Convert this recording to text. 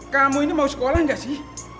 kamu ini mau sekolah nggak sih